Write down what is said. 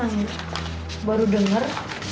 kayaknya emang baru denger